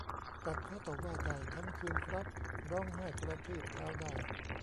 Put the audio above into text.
ตัดพ้อต่อว่าได้ทั้งคืนครับ ร้องไห้กระทืบเท้าได้